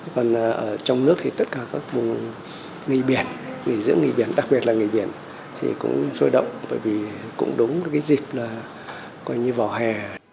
còn ở trong nước thì tất cả các vùng nghỉ biển nghỉ dưỡng nghỉ biển đặc biệt là nghỉ biển thì cũng sôi động bởi vì cũng đúng cái dịp là coi như vào hè